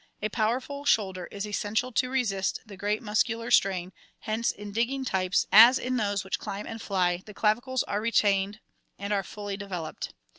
A powerful shoulder is essential to resist the great muscular strain, hence in digging types, as in those which climb and fly, the clavicles are retained and are fully developed.